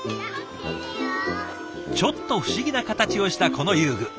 ちょっと不思議な形をしたこの遊具。